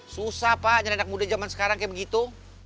susah pak nyelidak muda zaman sekarang kayak begitu